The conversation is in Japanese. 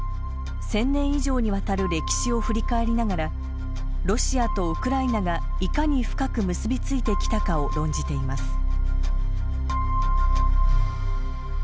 １０００年以上にわたる歴史を振り返りながらロシアとウクライナがいかに深く結びついてきたかを論じています。